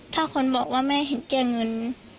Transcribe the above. ถ้าคนบอกว่าแม่เห็นแก้เงิน